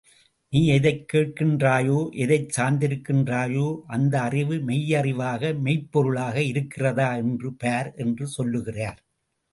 நீ எதைக் கேட்கின்றாயோ எதைச் சார்ந்திருக்கின்றாயோ அந்த அறிவு மெய்யறிவாக மெய்ப்பொருளாக இருக்கிறதா என்று பார் என்று சொல்லுகிறார்.